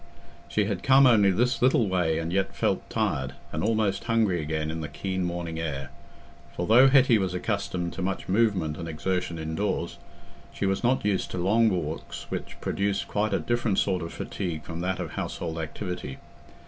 She had come only this little way, and yet felt tired, and almost hungry again in the keen morning air; for though Hetty was accustomed to much movement and exertion indoors, she was not used to long walks which produced quite a different sort of fatigue from that of household activity.